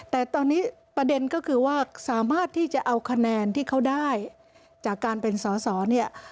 แต่ตอนนี้ประเด็นก็คือว่าสามารถที่จะเอาคะแนนที่เขาได้จากการเป็นสอสอเนี่ย